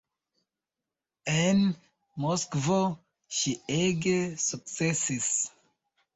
En Moskvo ŝi ege sukcesis.